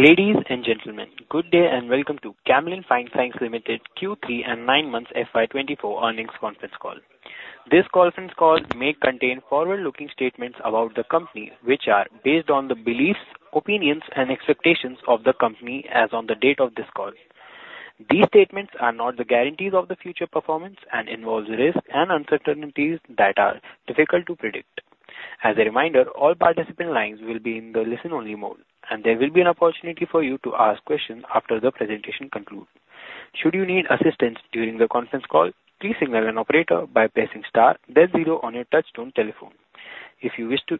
Ladies and gentlemen, good day and welcome to Camlin Fine Sciences Limited Q3 and nine months FY2024 earnings conference call. This conference call may contain forward-looking statements about the company, which are based on the beliefs, opinions, and expectations of the company as on the date of this call. These statements are not the guarantees of the future performance and involve risks and uncertainties that are difficult to predict. As a reminder, all participant lines will be in the listen-only mode, and there will be an opportunity for you to ask questions after the presentation concludes. Should you need assistance during the conference call, please signal an operator by pressing star, then zero on your touch-tone telephone. If you wish to,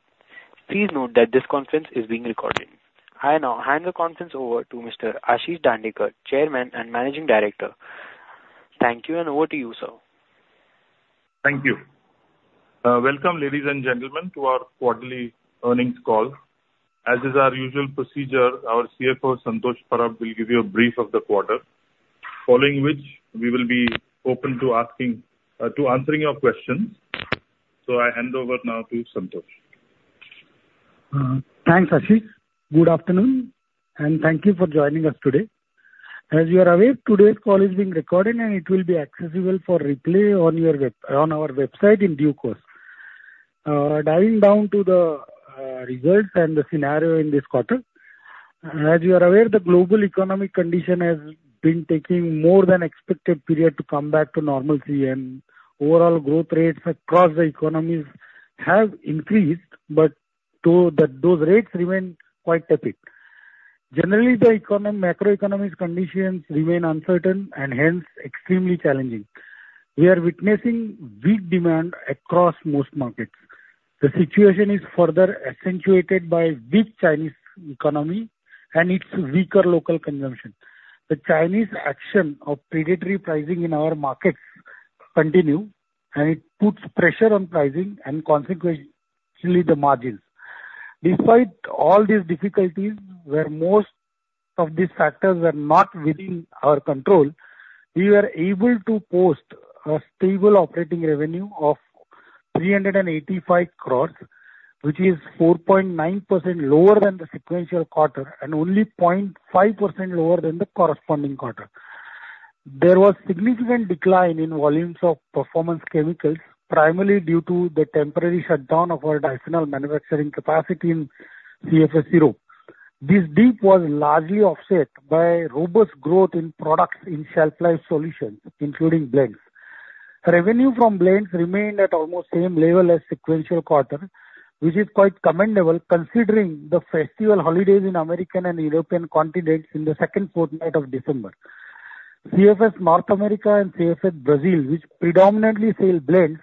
please note that this conference is being recorded. I now hand the conference over to Mr. Ashish Dandekar, Chairman and Managing Director. Thank you, and over to you, sir. Thank you. Welcome, ladies and gentlemen, to our quarterly earnings call. As is our usual procedure, our CFO, Santosh Parab, will give you a brief of the quarter, following which we will be open to answering your questions. So I hand over now to Santosh. Thanks, Ashish. Good afternoon, and thank you for joining us today. As you are aware, today's call is being recorded, and it will be accessible for replay on our website in due course. Diving down to the results and the scenario in this quarter, as you are aware, the global economic condition has been taking more than expected period to come back to normalcy, and overall growth rates across the economies have increased, but those rates remain quite tepid. Generally, the macroeconomic conditions remain uncertain and hence extremely challenging. We are witnessing weak demand across most markets. The situation is further accentuated by weak Chinese economy and its weaker local consumption. The Chinese action of predatory pricing in our markets continues, and it puts pressure on pricing and consequently the margins. Despite all these difficulties, where most of these factors were not within our control, we were able to post a stable operating revenue of 385 crores, which is 4.9% lower than the sequential quarter and only 0.5% lower than the corresponding quarter. There was significant decline in volumes of performance chemicals, primarily due to the temporary shutdown of our diphenol manufacturing capacity in CFS Europe. This dip was largely offset by robust growth in products in shelf-life solutions, including blends. Revenue from blends remained at almost same level as sequential quarter, which is quite commendable considering the festival holidays in American and European continents in the second fortnight of December. CFS North America and CFS Brazil, which predominantly sell blends,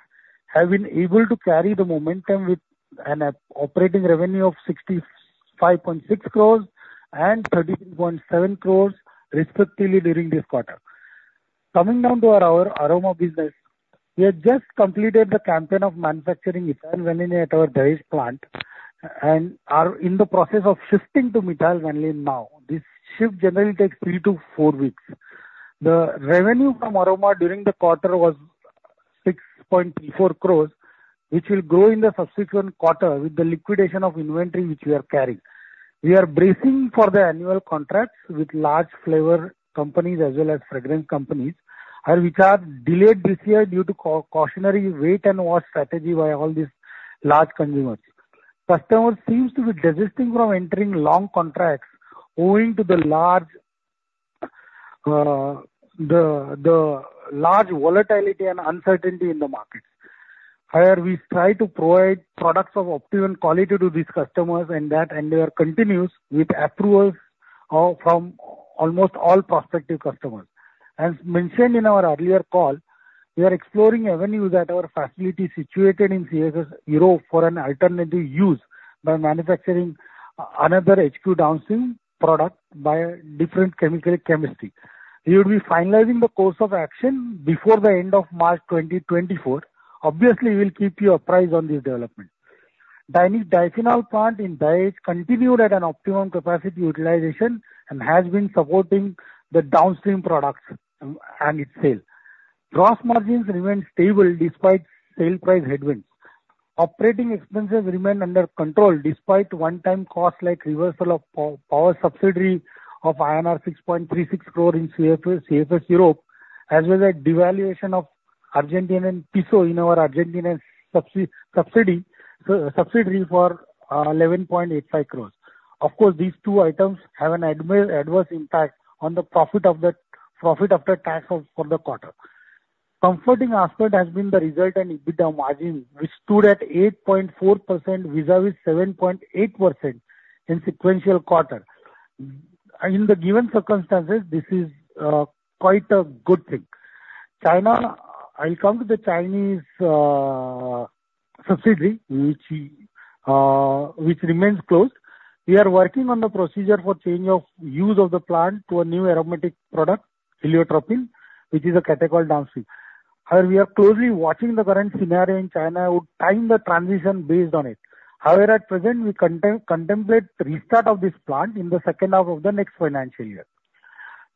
have been able to carry the momentum with an operating revenue of 65.6 crores and 33.7 crores, respectively, during this quarter. Coming down to our aroma business, we have just completed the campaign of manufacturing methyl vanillin at our Dahej plant and are in the process of shifting to methyl vanillin now. This shift generally takes 3-4 weeks. The revenue from aroma during the quarter was 6.34 crores, which will grow in the subsequent quarter with the liquidation of inventory which we are carrying. We are bracing for the annual contracts with large flavor companies as well as fragrance companies, which are delayed this year due to cautionary wait-and-watch strategy by all these large consumers. Customers seem to be desisting from entering long contracts owing to the large volatility and uncertainty in the markets. However, we try to provide products of optimum quality to these customers, and that endeavor continues with approvals from almost all prospective customers. As mentioned in our earlier call, we are exploring avenues at our facility situated in CFS Europe for an alternative use by manufacturing another HQ downstream product by a different chemical chemistry. We will be finalizing the course of action before the end of March 2024. Obviously, we will keep you apprised on this development. Dahej plant in Dahej continued at an optimum capacity utilization and has been supporting the downstream products and its sale. Gross margins remain stable despite sale price headwinds. Operating expenses remain under control despite one-time costs like reversal of power subsidy of INR 6.36 crore in CFS Europe, as well as devaluation of Argentine Peso in our Argentine subsidiary for 11.85 crores. Of course, these two items have an adverse impact on the profit after tax for the quarter. comforting aspect has been the result and EBITDA margin, which stood at 8.4% vis-à-vis 7.8% in sequential quarter. In the given circumstances, this is quite a good thing. I'll come to the Chinese subsidiary, which remains closed. We are working on the procedure for change of use of the plant to a new aromatic product, Heliotropin, which is a catechol downstream. However, we are closely watching the current scenario in China and would time the transition based on it. However, at present, we contemplate restart of this plant in the second half of the next financial year.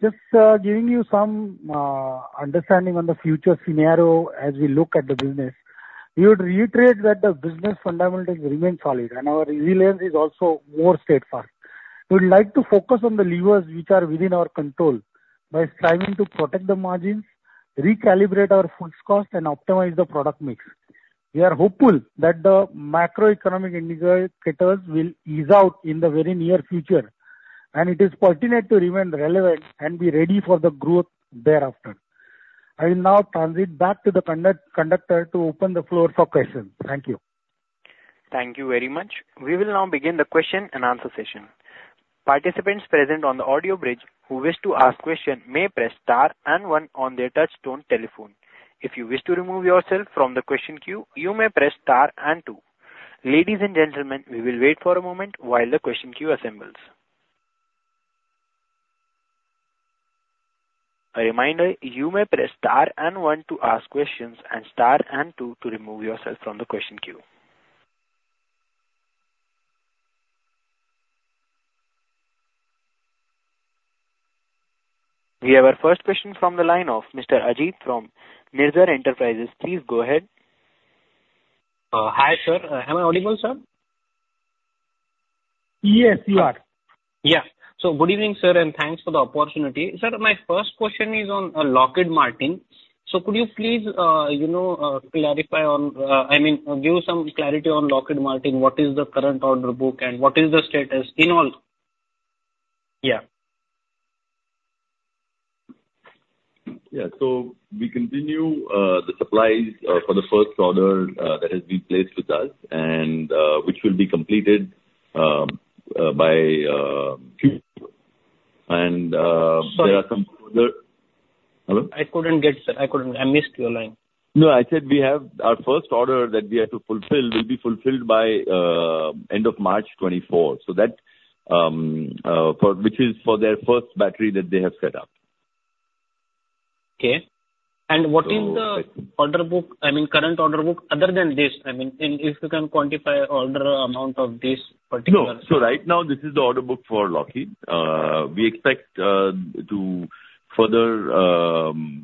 Just giving you some understanding on the future scenario as we look at the business, we would reiterate that the business fundamentals remain solid and our resilience is also more straightforward. We would like to focus on the levers which are within our control by striving to protect the margins, recalibrate our fixed costs, and optimize the product mix. We are hopeful that the macroeconomic indicators will ease out in the very near future, and it is pertinent to remain relevant and be ready for the growth thereafter. I will now transit back to the conductor to open the floor for questions. Thank you. Thank you very much. We will now begin the question and answer session. Participants present on the audio bridge who wish to ask questions may press star and one on their touch-tone telephone. If you wish to remove yourself from the question queue, you may press star and two. Ladies and gentlemen, we will wait for a moment while the question queue assembles. A reminder, you may press star and one to ask questions and star and two to remove yourself from the question queue. We have our first question from the line of Mr. Ajit from Mirza Enterprises. Please go ahead. Hi, sir. Am I audible, sir? Yes, you are. Yeah. So good evening, sir, and thanks for the opportunity. Sir, my first question is on Lockheed Martin. So could you please clarify on—I mean, give some clarity on Lockheed Martin. What is the current order book and what is the status in all? Yeah. Yeah. So we continue the supplies for the first order that has been placed with us and which will be completed by June. And there are some further hello? I couldn't get, sir. I missed your line. No, I said our first order that we have to fulfill will be fulfilled by end of March 2024, which is for their first battery that they have set up. Okay. And what is the order book I mean, current order book other than this? I mean, if you can quantify order amount of this particular? No, so right now, this is the order book for Lockheed. We expect to further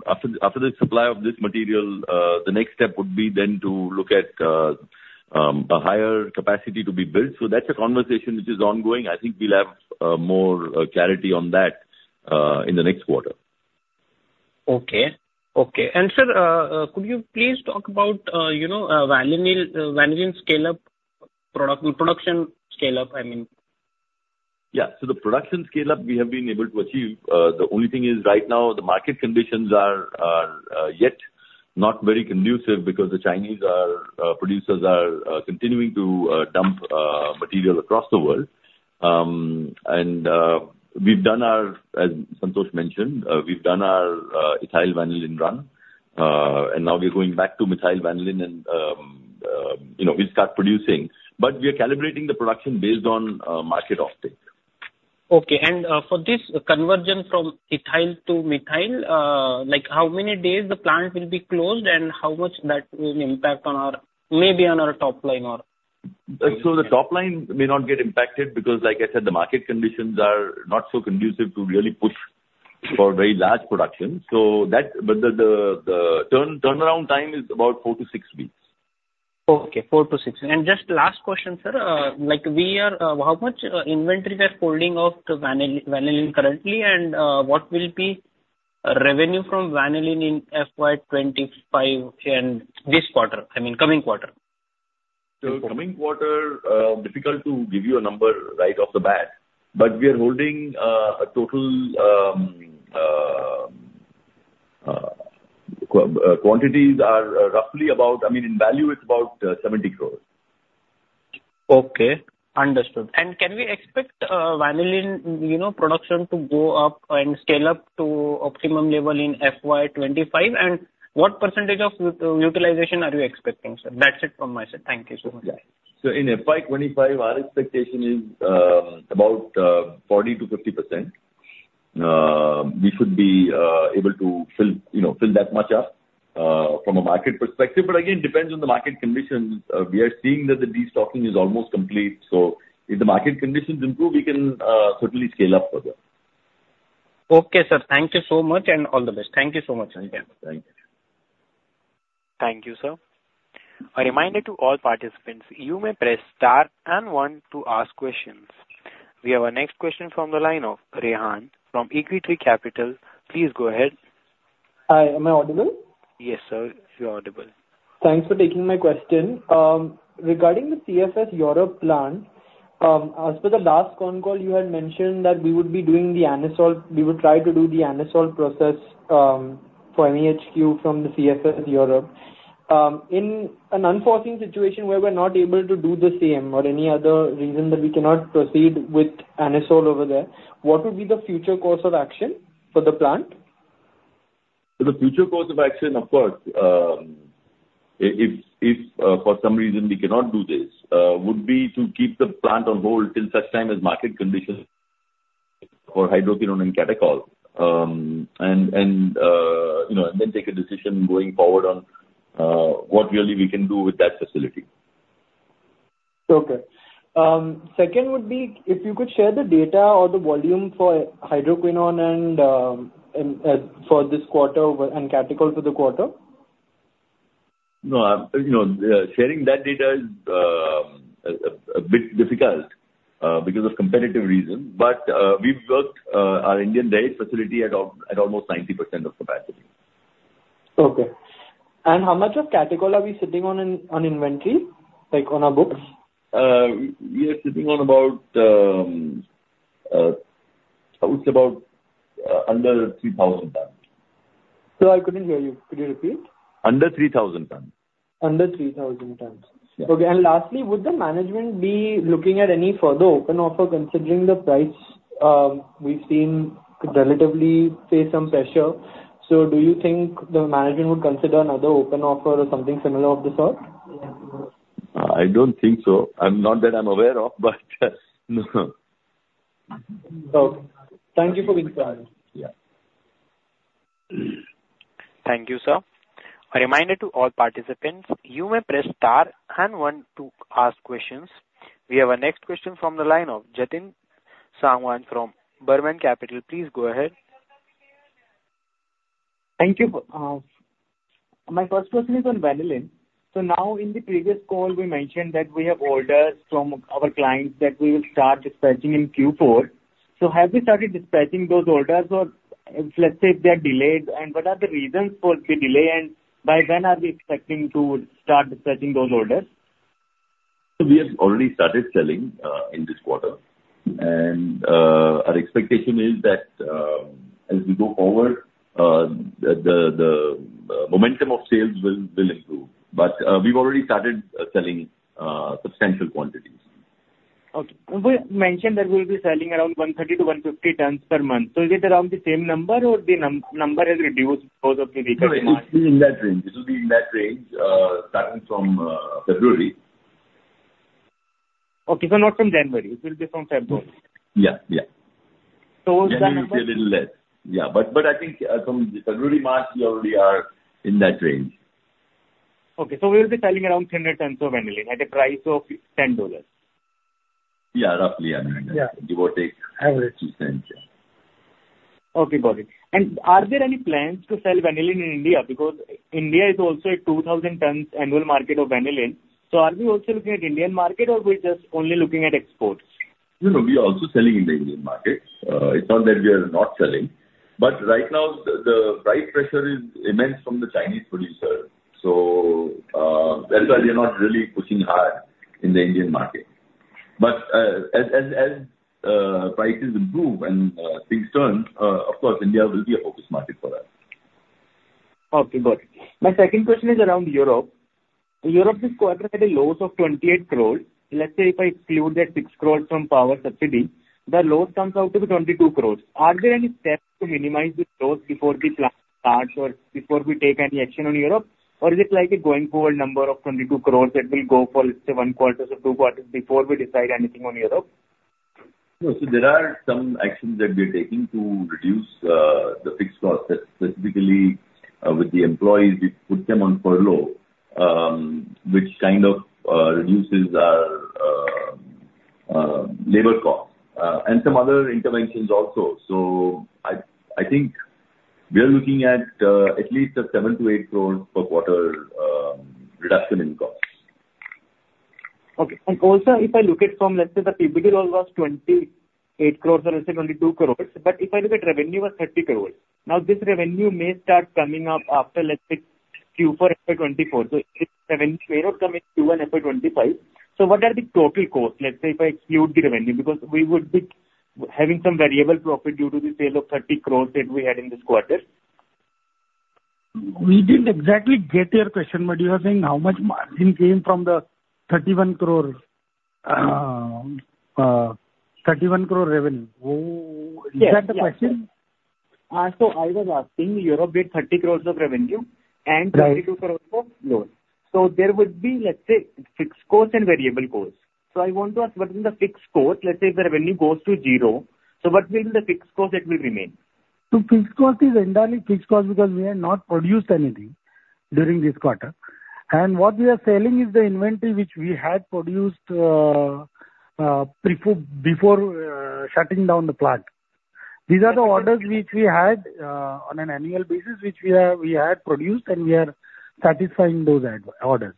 after the supply of this material, the next step would be then to look at a higher capacity to be built. So that's a conversation which is ongoing. I think we'll have more clarity on that in the next quarter. Okay. Sir, could you please talk about Vanillin scale-up production scale-up, I mean? Yeah. So the production scale-up, we have been able to achieve. The only thing is right now, the market conditions are yet not very conducive because the Chinese producers are continuing to dump material across the world. And we've done our, as Santosh mentioned, we've done our ethyl vanillin run, and now we're going back to vanillin and we'll start producing. But we are calibrating the production based on market optics. Okay. For this conversion from ethyl to methyl, how many days the plant will be closed and how much that will impact on our maybe on our top line or? The top line may not get impacted because, like I said, the market conditions are not so conducive to really push for very large production. But the turnaround time is about 4-6 weeks. Okay. 4-6. Just last question, sir. How much inventory we are holding of the vanillin currently, and what will be revenue from vanillin in FY25 and this quarter? I mean, coming quarter. So, coming quarter, difficult to give you a number right off the bat, but we are holding a total quantities are roughly about—I mean, in value, it's about 70 crore. Okay. Understood. And can we expect vanillin production to go up and scale up to optimum level in FY25, and what percentage of utilization are you expecting, sir? That's it from my side. Thank you so much. Yeah. So in FY25, our expectation is about 40%-50%. We should be able to fill that much up from a market perspective. But again, depends on the market conditions. We are seeing that the destocking is almost complete. So if the market conditions improve, we can certainly scale up further. Okay, sir. Thank you so much and all the best. Thank you so much, Ajit. Thank you. Thank you, sir. A reminder to all participants, you may press star and one to ask questions. We have our next question from the line of Rehan from Equitree Capital. Please go ahead. Hi. Am I audible? Yes, sir. You're audible. Thanks for taking my question. Regarding the CFS Europe plant, as per the last phone call, you had mentioned that we would be doing the Anisole we would try to do the Anisole process for MEHQ from the CFS Europe. In an unfortunate situation where we're not able to do the same or any other reason that we cannot proceed with Anisole over there, what would be the future course of action for the plant? The future course of action, of course, if for some reason we cannot do this, would be to keep the plant on hold till such time as market conditions for Hydroquinone and Catechol and then take a decision going forward on what really we can do with that facility. Okay. Second would be if you could share the data or the volume for Hydroquinone for this quarter and Catechol for the quarter? No, sharing that data is a bit difficult because of competitive reasons. But we've worked our Indian Dahej facility at almost 90% of capacity. Okay. And how much of Catechol are we sitting on in inventory, on our books? We are sitting on about, I would say, about under 3,000 tons. I couldn't hear you. Could you repeat? Under 3,000 tons. Under 3,000 tons. Okay. And lastly, would the management be looking at any further open offer considering the price we've seen could relatively face some pressure? So do you think the management would consider another open offer or something similar of the sort? I don't think so. Not that I'm aware of, but no. Okay. Thank you for being so honest. Yeah. Thank you, sir. A reminder to all participants, you may press star and one to ask questions. We have our next question from the line of Jatin Sangwan from Burman Capital. Please go ahead. Thank you. My first question is on Vanillin. So now, in the previous call, we mentioned that we have orders from our clients that we will start dispatching in Q4. So have we started dispatching those orders or let's say if they are delayed, and what are the reasons for the delay, and by when are we expecting to start dispatching those orders? We have already started selling in this quarter. Our expectation is that as we go forward, the momentum of sales will improve. But we've already started selling substantial quantities. Okay. We mentioned that we'll be selling around 130-150 tons per month. So is it around the same number, or the number has reduced because of the weaker demand? No, it will be in that range. It will be in that range starting from February. Okay. So not from January. It will be from February. Yeah. Yeah. Was that number? January will be a little less. Yeah. But I think from February, March, we already are in that range. Okay. So we will be selling around 100 tons of Vanillin at a price of $10. Yeah, roughly. I mean, give or take 2 cents. Okay. Got it. Are there any plans to sell vanillin in India? Because India is also a 2,000-ton annual market of vanillin. Are we also looking at the Indian market, or we're just only looking at exports? We are also selling in the Indian market. It's not that we are not selling. But right now, the price pressure is immense from the Chinese producer. So that's why they're not really pushing hard in the Indian market. But as prices improve and things turn, of course, India will be a focus market for us. Okay. Got it. My second question is around Europe. Europe this quarter had a loss of 28 crores. Let's say if I exclude that 6 crores from power subsidy, the loss comes out to be 22 crores. Are there any steps to minimize the loss before the plant starts or before we take any action on Europe, or is it like a going forward number of 22 crores that will go for, let's say, one quarters or two quarters before we decide anything on Europe? No, so there are some actions that we are taking to reduce the fixed cost. Specifically, with the employees, we put them on furlough, which kind of reduces our labor cost and some other interventions also. So I think we are looking at at least 7-8 crores per quarter reduction in costs. Okay. And also, if I look at from, let's say, the PBT was 28 crores or, let's say, 22 crores, but if I look at revenue was 30 crores. Now, this revenue may start coming up after, let's say, Q4 FY 2024. So if revenue may not come in Q1 FY 2025, so what are the total costs, let's say, if I exclude the revenue? Because we would be having some variable profit due to the sale of 30 crores that we had in this quarter. We didn't exactly get your question, but you were saying how much margin came from the INR 31 crore revenue. Is that the question? So I was asking, Europe did INR 30 crores of revenue and INR 32 crores for lower. So there would be, let's say, fixed costs and variable costs. So I want to ask, what is the fixed cost? Let's say if the revenue goes to zero, so what will be the fixed cost that will remain? So fixed cost is entirely fixed cost because we have not produced anything during this quarter. And what we are selling is the inventory which we had produced before shutting down the plant. These are the orders which we had on an annual basis, which we had produced, and we are satisfying those orders.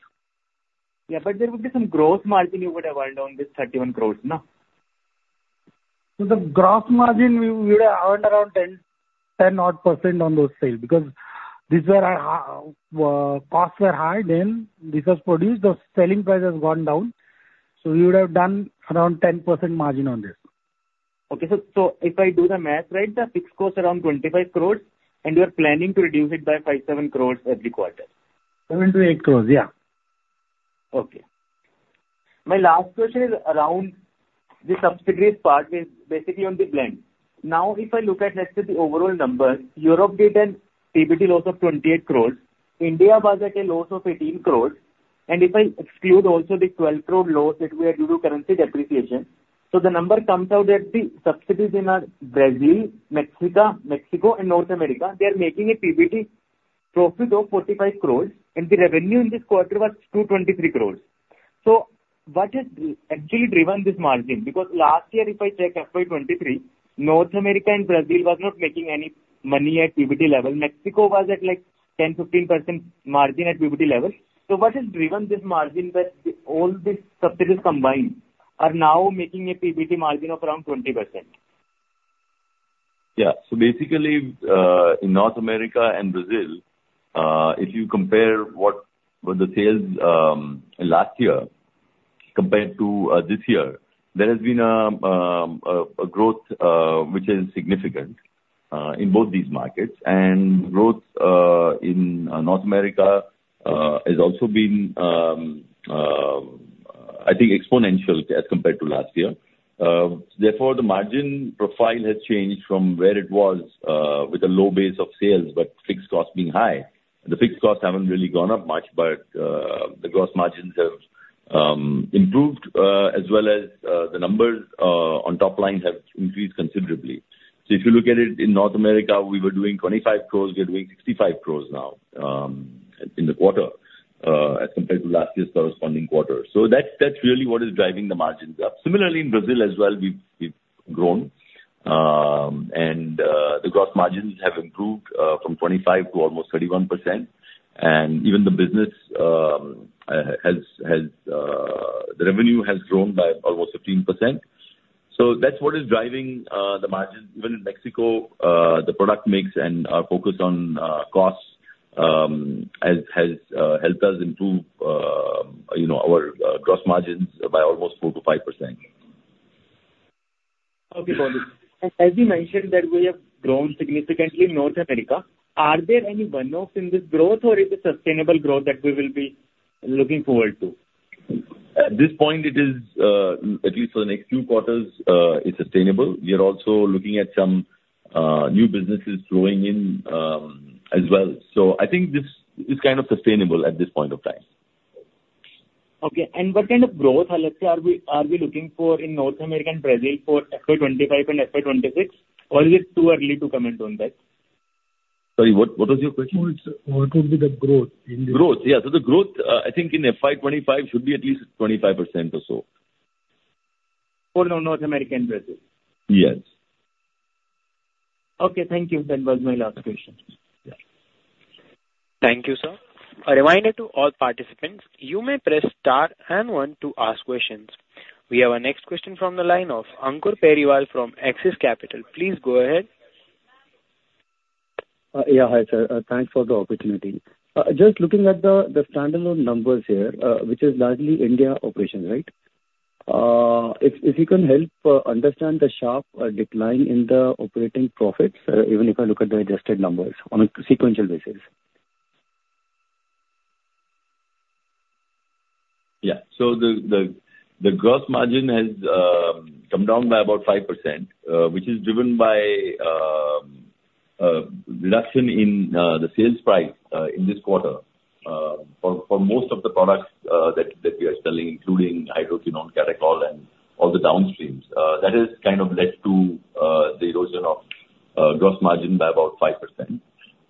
Yeah. But there would be some gross margin you would have earned on this 31 crores, no? So the gross margin, we would have earned around 10-odd% on those sales because these costs were high then this was produced. The selling price has gone down. So we would have done around 10% margin on this. Okay. So if I do the math right, the fixed cost is around 25 crores, and you are planning to reduce it by 5-7 crores every quarter. 7-8 crores. Yeah. Okay. My last question is around the subsidiaries part, basically on the blends. Now, if I look at, let's say, the overall numbers, Europe did a PBT loss of INR 28 crores. India was at a loss of INR 18 crores. And if I exclude also the INR 12-crore loss that we had due to currency depreciation, so the number comes out that the subsidiaries in Brazil, Mexico, and North America, they are making a PBT profit of 45 crores, and the revenue in this quarter was 223 crores. So what has actually driven this margin? Because last year, if I check FY23, North America and Brazil were not making any money at PBT level. Mexico was at 10%-15% margin at PBT level. So what has driven this margin that all these subsidiaries combined are now making a PBT margin of around 20%? Yeah. So basically, in North America and Brazil, if you compare what were the sales last year compared to this year, there has been a growth which is significant in both these markets. And growth in North America has also been, I think, exponential as compared to last year. Therefore, the margin profile has changed from where it was with a low base of sales but fixed costs being high. The fixed costs haven't really gone up much, but the gross margins have improved as well as the numbers on top line have increased considerably. So if you look at it in North America, we were doing 25 crores. We are doing 65 crores now in the quarter as compared to last year's corresponding quarter. So that's really what is driving the margins up. Similarly, in Brazil as well, we've grown, and the gross margins have improved from 25% to almost 31%. Even the business has; the revenue has grown by almost 15%. That's what is driving the margins. Even in Mexico, the product mix and our focus on costs has helped us improve our gross margins by almost 4%-5%. Okay. Got it. And as you mentioned that we have grown significantly in North America, are there any burn-offs in this growth, or is it sustainable growth that we will be looking forward to? At this point, at least for the next few quarters, it's sustainable. We are also looking at some new businesses flowing in as well. So I think this is kind of sustainable at this point of time. Okay. What kind of growth, let's say, are we looking for in North America and Brazil for FY2025 and FY2026, or is it too early to comment on that? Sorry, what was your question? What would be the growth in this quarter? Growth. Yeah, so the growth, I think, in FY25 should be at least 25% or so. For North America and Brazil? Yes. Okay. Thank you. That was my last question. Thank you, sir. A reminder to all participants, you may press star and one to ask questions. We have our next question from the line of Ankur Periwal from Axis Capital. Please go ahead. Yeah. Hi, sir. Thanks for the opportunity. Just looking at the standalone numbers here, which is largely India operations, right, if you can help understand the sharp decline in the operating profits, even if I look at the adjusted numbers on a sequential basis? Yeah. So the gross margin has come down by about 5%, which is driven by reduction in the sales price in this quarter for most of the products that we are selling, including hydroquinone, catechol, and all the downstreams. That has kind of led to the erosion of gross margin by about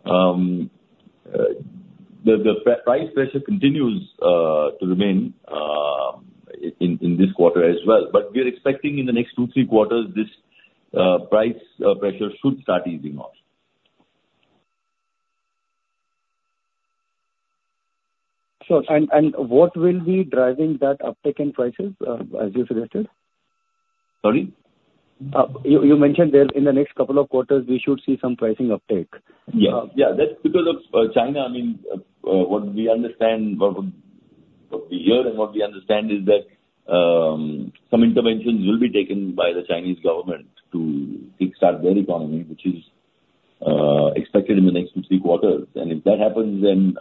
5%. The price pressure continues to remain in this quarter as well. But we are expecting in the next two, three quarters, this price pressure should start easing off. Sure. What will be driving that uptake in prices, as you suggested? Sorry? You mentioned that in the next couple of quarters, we should see some pricing uptake. Yeah. Yeah. That's because of China. I mean, what we understand from the year and what we understand is that some interventions will be taken by the Chinese government to kickstart their economy, which is expected in the next 2-3 quarters. And if that happens, then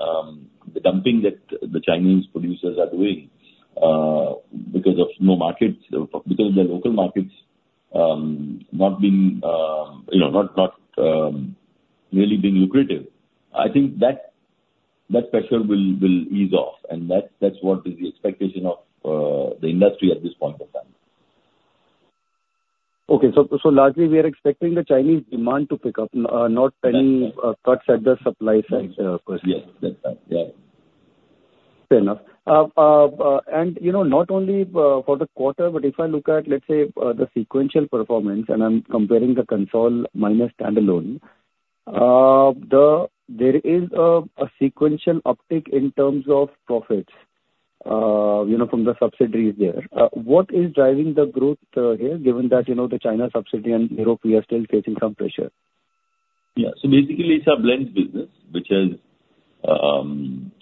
the dumping that the Chinese producers are doing because of no markets because of the local markets not really being lucrative, I think that pressure will ease off. And that's what is the expectation of the industry at this point of time. Okay. Largely, we are expecting the Chinese demand to pick up, not any cuts at the supply side, per se. Yes. That's right. Yeah. Fair enough. And not only for the quarter, but if I look at, let's say, the sequential performance, and I'm comparing the consolidated minus standalone, there is a sequential uptake in terms of profits from the subsidiaries there. What is driving the growth here, given that the China subsidiary and Europe we are still facing some pressure? Yeah. So basically, it's a blend business,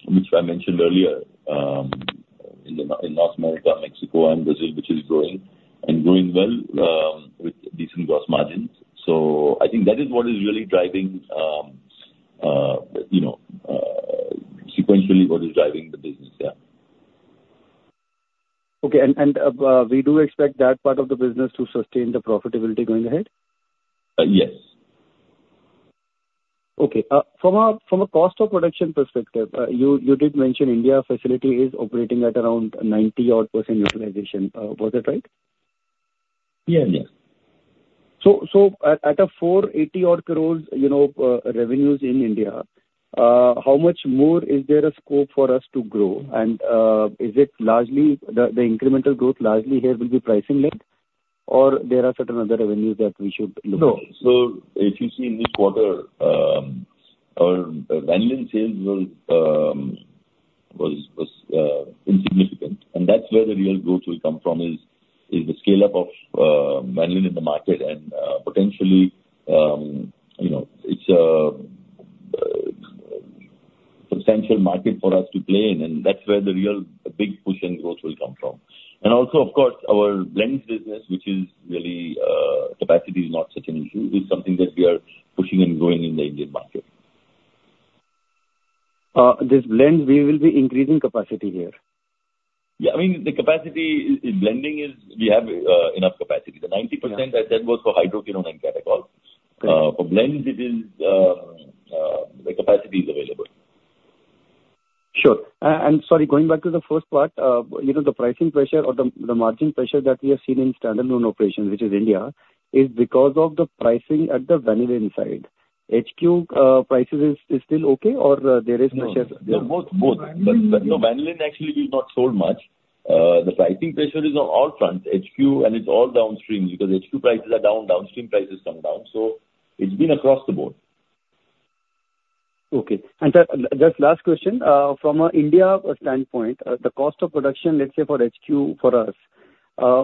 which I mentioned earlier, in North America, Mexico, and Brazil, which is growing and growing well with decent gross margins. So I think that is what is really driving sequentially what is driving the business. Yeah. Okay. We do expect that part of the business to sustain the profitability going ahead? Yes. Okay. From a cost of production perspective, you did mention India facility is operating at around 90-odd% utilization. Was that right? Yes. Yes. At 480-odd crores revenues in India, how much more is there a scope for us to grow? Is it largely the incremental growth largely here will be pricing-led, or there are certain other revenues that we should look at? No. So if you see in this quarter, our Vanillin sales were insignificant. And that's where the real growth will come from, is the scale-up of Vanillin in the market. And potentially, it's a substantial market for us to play in. And that's where the real big push in growth will come from. And also, of course, our blend business, which is really capacity is not such an issue, is something that we are pushing and growing in the Indian market. This blend, we will be increasing capacity here? Yeah. I mean, the capacity in blending is we have enough capacity. The 90% I said was for Hydroquinone and Catechol. For blend, the capacity is available. Sure. Sorry, going back to the first part, the pricing pressure or the margin pressure that we have seen in standalone operations, which is India, is because of the pricing at the vanillin side. HQ prices is still okay, or there is pressure? Both. Both. Both. But no, Vanillin actually is not sold much. The pricing pressure is on all fronts, HQ, and it's all downstreams because HQ prices are down. Downstream prices come down. So it's been across the board. Okay. Just last question, from an India standpoint, the cost of production, let's say, for HQ for us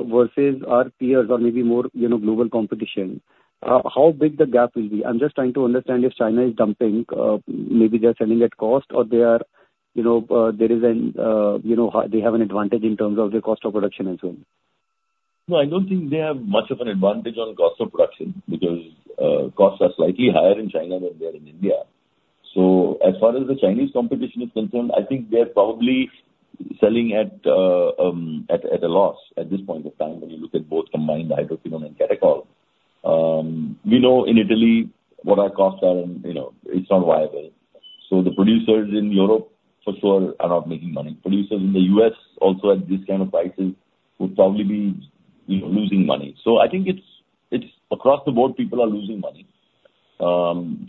versus our peers or maybe more global competition, how big the gap will be? I'm just trying to understand if China is dumping, maybe they are selling at cost, or there is, and they have an advantage in terms of their cost of production as well. No, I don't think they have much of an advantage on cost of production because costs are slightly higher in China than they are in India. So as far as the Chinese competition is concerned, I think they are probably selling at a loss at this point of time when you look at both combined hydroquinone and catechol. We know in Italy what our costs are, and it's not viable. So the producers in Europe, for sure, are not making money. Producers in the U.S., also, at these kind of prices would probably be losing money. So I think it's across the board, people are losing money.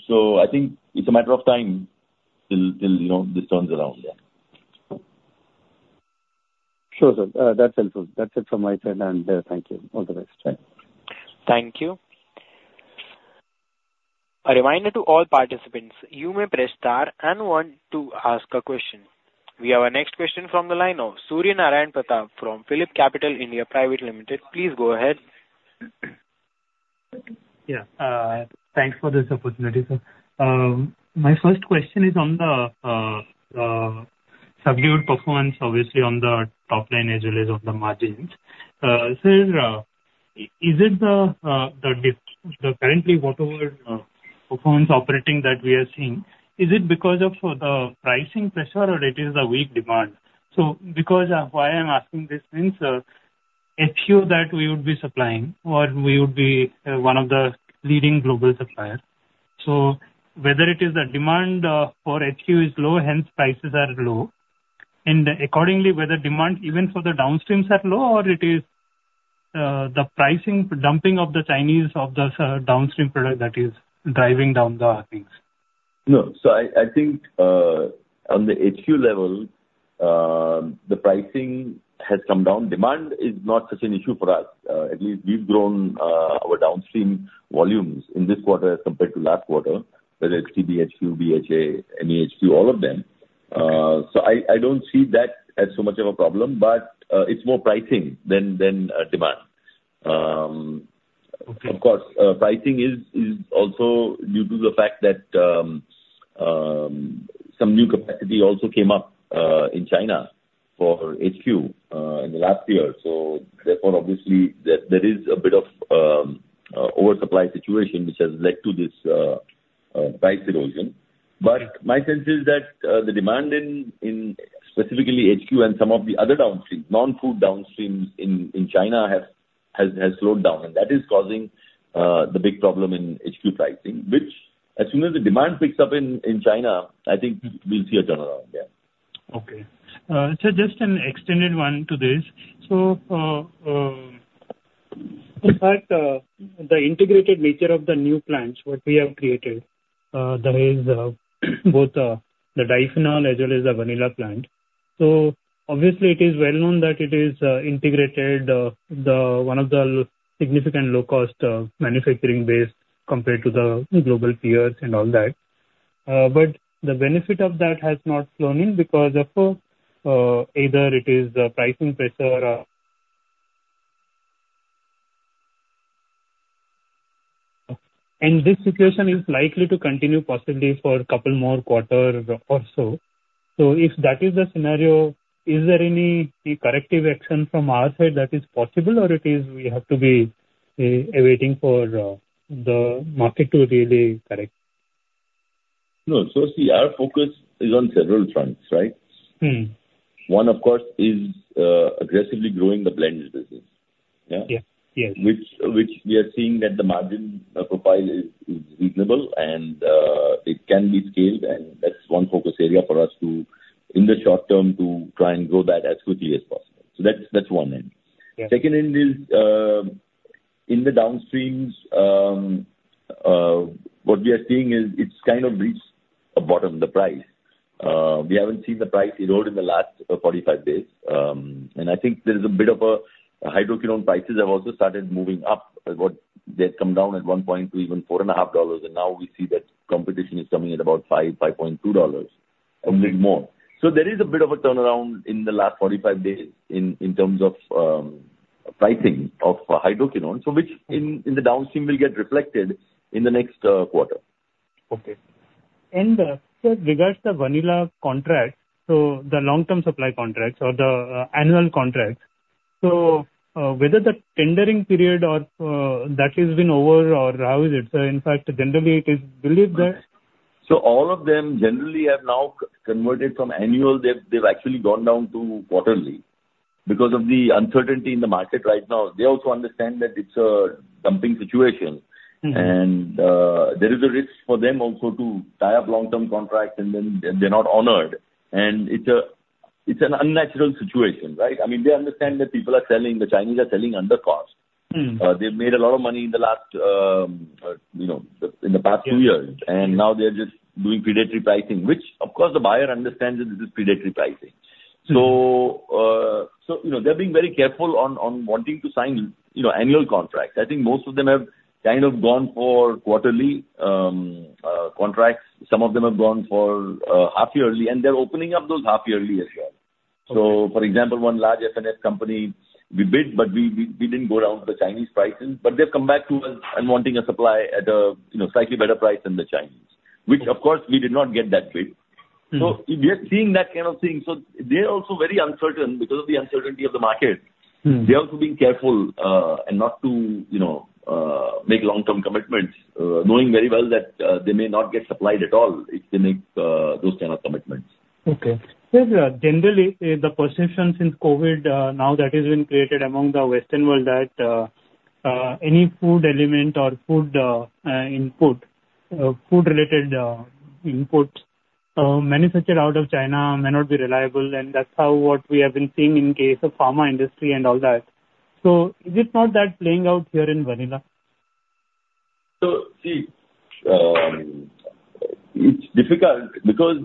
So I think it's a matter of time till this turns around. Yeah. Sure, sir. That's helpful. That's it from my side, and thank you. All the best. Thank you. A reminder to all participants, you may press star and one to ask a question. We have our next question from the line of Surya Narayan Patra from PhillipCapital India Private Limited. Please go ahead. Yeah. Thanks for this opportunity, sir. My first question is on the subdued performance, obviously, on the top line as well as on the margins. Sir, is it the currently whatever performance operating that we are seeing, is it because of the pricing pressure, or it is the weak demand? So why I am asking this means HQ that we would be supplying, or we would be one of the leading global suppliers. So whether it is the demand for HQ is low, hence prices are low, and accordingly, whether demand even for the downstreams are low, or it is the pricing dumping of the Chinese of the downstream product that is driving down the things. No. So I think on the HQ level, the pricing has come down. Demand is not such an issue for us. At least, we've grown our downstream volumes in this quarter as compared to last quarter, whether it's TBHQ, BHA, MEHQ, all of them. So I don't see that as so much of a problem, but it's more pricing than demand. Of course, pricing is also due to the fact that some new capacity also came up in China for HQ in the last year. So therefore, obviously, there is a bit of oversupply situation, which has led to this price erosion. But my sense is that the demand in specifically HQ and some of the other downstreams, non-food downstreams in China, has slowed down. That is causing the big problem in HQ pricing, which, as soon as the demand picks up in China, I think we'll see a turnaround. Yeah. Okay. Sir, just an extended one to this. So in fact, the integrated nature of the new plants what we have created, that is both the diphenol as well as the vanillin plant. So obviously, it is well known that it is integrated, one of the significant low-cost manufacturing base compared to the global peers and all that. But the benefit of that has not flowed in because of either it is the pricing pressure. And this situation is likely to continue possibly for a couple more quarters or so. So if that is the scenario, is there any corrective action from our side that is possible, or we have to be awaiting for the market to really correct? No. So see, our focus is on several fronts, right? One, of course, is aggressively growing the blend business. Yeah? Yes. Yes. Which we are seeing that the margin profile is reasonable, and it can be scaled. And that's one focus area for us in the short term to try and grow that as quickly as possible. So that's one end. Second end is in the downstreams, what we are seeing is it's kind of reached a bottom, the price. We haven't seen the price erode in the last 45 days. And I think there is a bit of a hydroquinone prices have also started moving up. They had come down at one point to even $4.5. And now we see that competition is coming at about $5.2, a little bit more. So there is a bit of a turnaround in the last 45 days in terms of pricing of hydroquinone, which in the downstream will get reflected in the next quarter. Okay. And sir, with regards to the vanillin contracts, so the long-term supply contracts or the annual contracts, so whether the tendering period that has been over, or how is it? Sir, in fact, generally, it is believed that. So all of them generally have now converted from annual. They've actually gone down to quarterly because of the uncertainty in the market right now. They also understand that it's a dumping situation. And there is a risk for them also to tie up long-term contracts, and then they're not honored. And it's an unnatural situation, right? I mean, they understand that people are selling. The Chinese are selling under cost. They've made a lot of money in the past two years. And now they are just doing predatory pricing, which, of course, the buyer understands that this is predatory pricing. So they're being very careful on wanting to sign annual contracts. I think most of them have kind of gone for quarterly contracts. Some of them have gone for half-yearly. And they're opening up those half-yearly as well. So for example, one large F&F company, we bid, but we didn't go down to the Chinese prices. But they've come back to us and wanting a supply at a slightly better price than the Chinese, which, of course, we did not get that bid. So we are seeing that kind of thing. So they are also very uncertain because of the uncertainty of the market. They are also being careful and not to make long-term commitments, knowing very well that they may not get supplied at all if they make those kind of commitments. Okay. Sir, generally, the perception since COVID now that has been created among the Western world that any food element or food input, food-related inputs manufactured out of China may not be reliable. And that's what we have been seeing in case of pharma industry and all that. So is it not that playing out here in vanillin? So, see, it's difficult because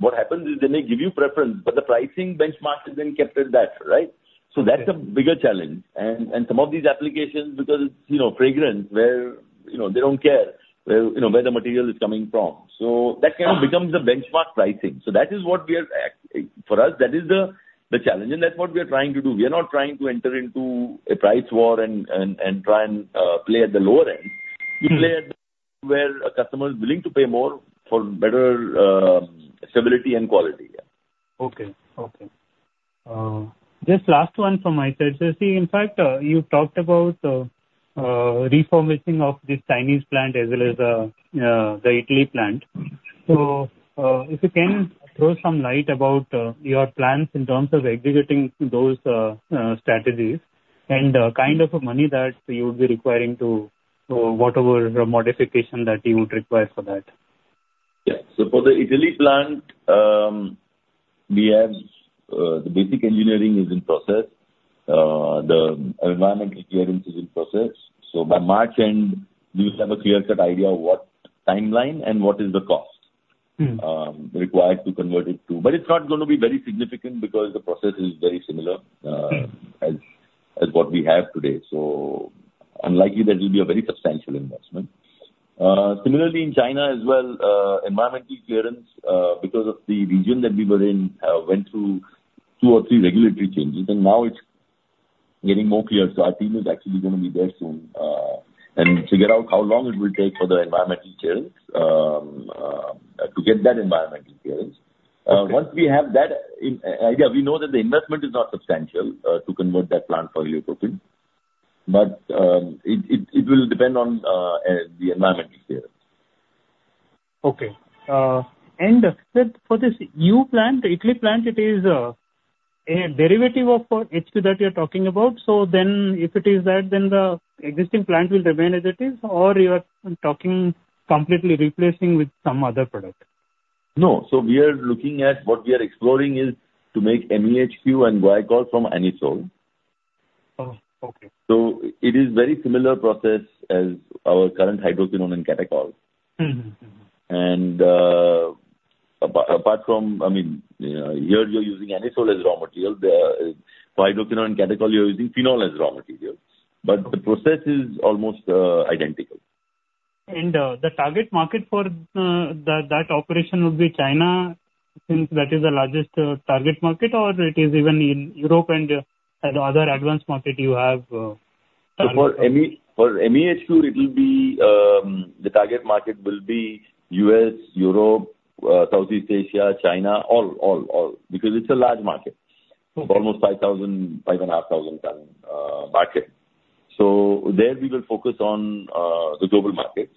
what happens is they may give you preference, but the pricing benchmark is then kept at that, right? So that's a bigger challenge. And some of these applications, because it's fragrance, where they don't care where the material is coming from, so that kind of becomes the benchmark pricing. So that is what we are for us, that is the challenge. And that's what we are trying to do. We are not trying to enter into a price war and try and play at the lower end. We play where a customer is willing to pay more for better stability and quality. Yeah. Okay. Okay. Just last one from my side. So see, in fact, you've talked about refurbishing of this Chinese plant as well as the Italy plant. So if you can throw some light about your plans in terms of executing those strategies and the kind of money that you would be requiring to whatever modification that you would require for that. Yeah. So for the Italy plant, the basic engineering is in process. The environmental clearance is in process. So by March end, we will have a clear-cut idea of what timeline and what is the cost required to convert it to. But it's not going to be very significant because the process is very similar as what we have today. So unlikely, that will be a very substantial investment. Similarly, in China as well, environmental clearance because of the region that we were in went through two or three regulatory changes. And now it's getting more clear. So our team is actually going to be there soon and figure out how long it will take for the environmental clearance to get that environmental clearance. Once we have that idea, we know that the investment is not substantial to convert that plant for Heliotropin. But it will depend on the environmental clearance. Okay. Sir, for this new plant, the Italy plant, it is a derivative of HQ that you're talking about. So then, if it is that, then the existing plant will remain as it is, or you are talking completely replacing with some other product? No. So we are looking at what we are exploring is to make MEHQ and Guaiacol from Anisole. So it is very similar process as our current hydroquinone and catechol. And apart from I mean, here, you're using Anisole as raw material. For hydroquinone and catechol, you're using phenol as raw material. But the process is almost identical. The target market for that operation would be China since that is the largest target market, or it is even in Europe and other advanced market you have target? So for MEHQ, the target market will be U.S., Europe, Southeast Asia, China, all, all, all because it's a large market, almost 5,000-5,500-ton market. So there, we will focus on the global markets.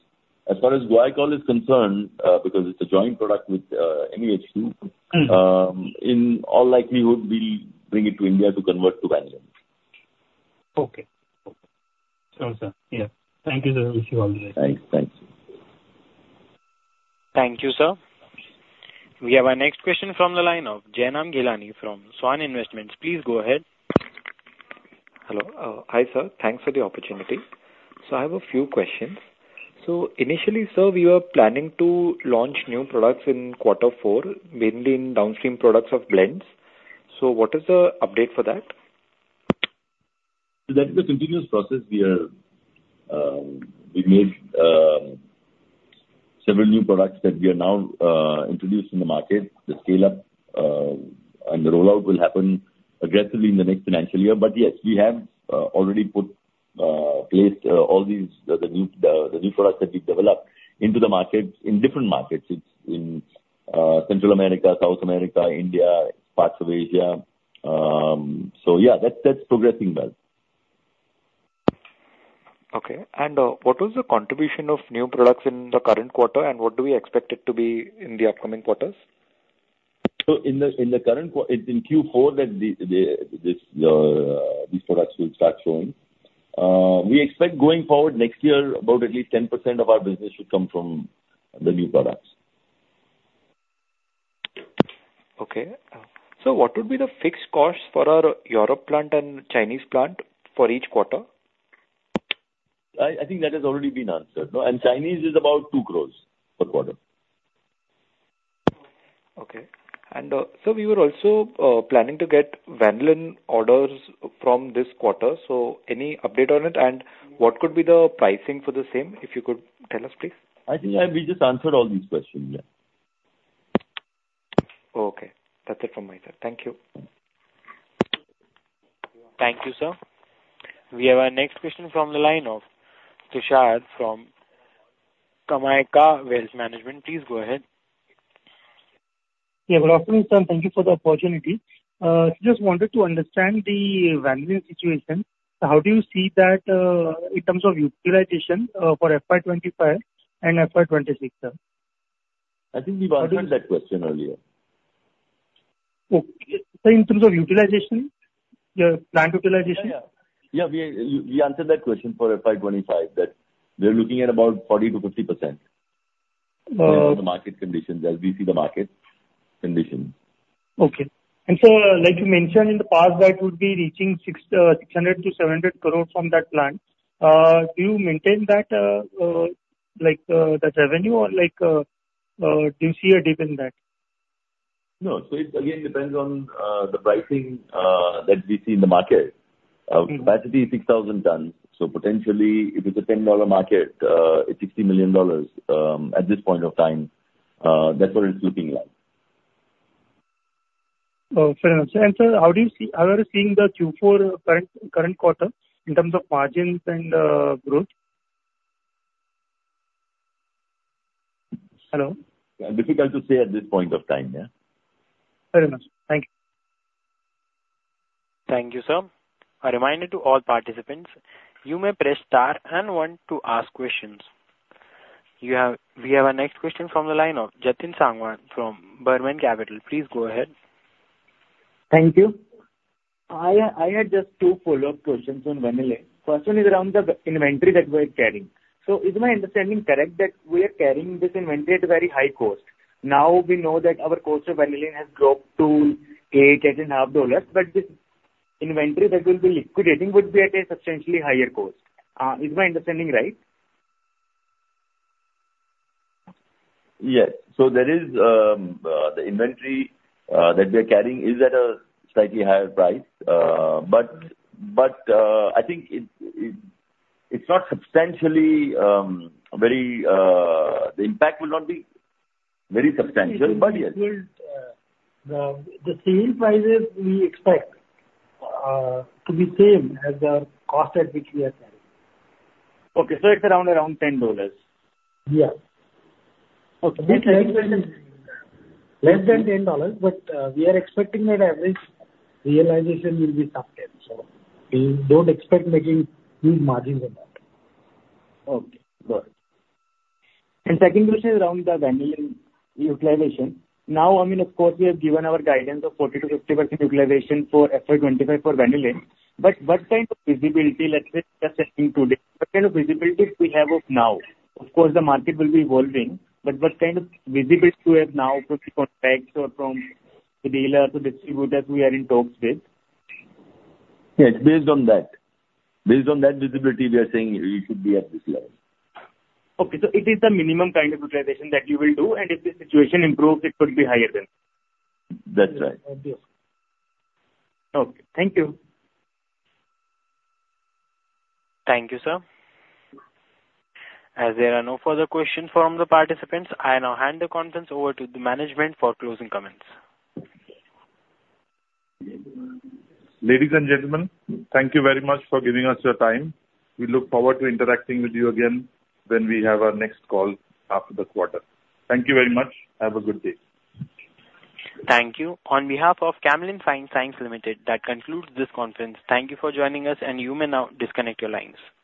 As far as Guaiacol is concerned, because it's a joint product with MEHQ, in all likelihood, we'll bring it to India to convert to vanilla. Okay. Okay. So, sir, yeah. Thank you, sir. Wish you all the best. Thanks. Thanks. Thank you, sir. We have our next question from the line of Jainam Ghilani from Swan Investments. Please go ahead. Hello. Hi, sir. Thanks for the opportunity. I have a few questions. Initially, sir, we were planning to launch new products in quarter four, mainly in downstream products of blends. What is the update for that? So that is a continuous process. We made several new products that we are now introducing in the market. The scale-up and the rollout will happen aggressively in the next financial year. But yes, we have already placed all these new products that we've developed into the markets in different markets. It's in Central America, South America, India, parts of Asia. So yeah, that's progressing well. Okay. And what was the contribution of new products in the current quarter, and what do we expect it to be in the upcoming quarters? So in the current quarter, it's in Q4 that these products will start showing. We expect going forward next year, about at least 10% of our business should come from the new products. Okay. So what would be the fixed cost for our Europe plant and Chinese plant for each quarter? I think that has already been answered. Chinese is about 2 crores per quarter. Okay. Sir, we were also planning to get Vanillin orders from this quarter. Any update on it? What could be the pricing for the same, if you could tell us, please? I think we just answered all these questions. Yeah. Okay. That's it from my side. Thank you. Thank you, sir. We have our next question from the line of Tushar from Kamakhya Wealth Management. Please go ahead. Yeah. Good afternoon, sir. Thank you for the opportunity. I just wanted to understand the vanillin situation. How do you see that in terms of utilization for FY25 and FY26, sir? I think we've answered that question earlier. Okay. In terms of utilization, your plant utilization? Yeah. Yeah. We answered that question for FY25 that we are looking at about 40%-50% in terms of the market conditions as we see the market conditions. Okay. Sir, like you mentioned in the past, that would be reaching 600-700 crore from that plant. Do you maintain that revenue, or do you see a dip in that? No. So it, again, depends on the pricing that we see in the market. Capacity is 6,000 tons. So potentially, if it's a $10 market, it's $60 million at this point of time. That's what it's looking like. Fair enough. And sir, how are you seeing the Q4 current quarter in terms of margins and growth? Hello? Difficult to say at this point of time. Yeah. Fair enough. Thank you. Thank you, sir. A reminder to all participants, you may press star one if you want to ask questions. We have our next question from the line of Jatin Sangwan from Burman Capital. Please go ahead. Thank you. I had just two follow-up questions on vanillin. First one is around the inventory that we are carrying. So is my understanding correct that we are carrying this inventory at a very high cost? Now we know that our cost of vanillin has grown to $8-$8.5. But this inventory that we'll be liquidating would be at a substantially higher cost. Is my understanding right? Yes. So the inventory that we are carrying is at a slightly higher price. But I think it's not substantially very. The impact will not be very substantial. But yes. The sale prices, we expect to be the same as the cost at which we are carrying. Okay. So it's around $10? Yeah. Okay. Less than $10. But we are expecting that average realization will be subtle. So we don't expect making huge margins on that. Okay. Got it. Second question is around the vanillin utilization. Now, I mean, of course, we have given our guidance of 40%-50% utilization for FY25 for vanillin. But what kind of visibility, let's say, just checking today, what kind of visibility do we have of now? Of course, the market will be evolving. But what kind of visibility do we have now from the contracts or from the dealers, the distributors we are in talks with? Yes. Based on that visibility, we are saying it should be at this level. Okay. So it is the minimum kind of utilization that you will do. And if the situation improves, it could be higher than that. That's right. Okay. Thank you. Thank you, sir. As there are no further questions from the participants, I now hand the conference over to the management for closing comments. Ladies and gentlemen, thank you very much for giving us your time. We look forward to interacting with you again when we have our next call after the quarter. Thank you very much. Have a good day. Thank you. On behalf of Camlin Fine Sciences Limited, that concludes this conference. Thank you for joining us. You may now disconnect your lines.